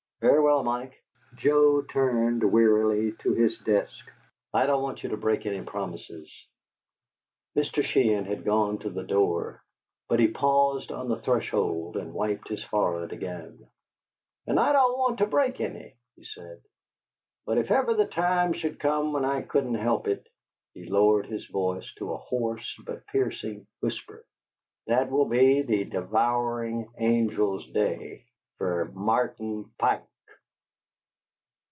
"Very well, Mike." Joe turned wearily to his desk. "I don't want you to break any promises." Mr. Sheehan had gone to the door, but he paused on the threshold, and wiped his forehead again. "And I don't want to break any," he said, "but if ever the time should come when I couldn't help it" he lowered his voice to a hoarse but piercing whisper "that will be the devourin' angel's day fer Martin Pike!"